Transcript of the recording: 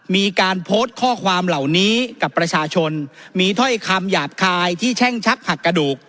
มีการโพสต์ข้อความเหล่านี้กับประชาชนมีถ้อยคำหยาบคายที่แช่งชักผักกระดูก